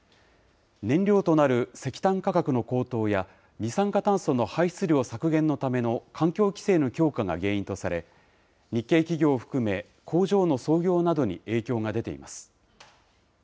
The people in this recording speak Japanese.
燃料となる石炭価格の高騰や、二酸化炭素の排出量削減のための環境規制の強化が原因とされ、日系企業を含め、工場の操業などに影響が出ています。